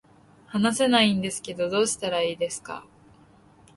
話せないんですけど、どうしたらいいですか